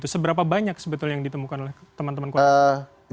seberapa banyak sebetulnya yang ditemukan oleh teman teman koalisi